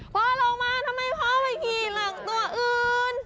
พ่อลงมาทำไมพ่อไปขี่หลังตัวอื่น